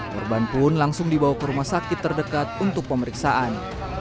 korban pun langsung dibawa ke rumah sakit terdekat untuk pemeriksaan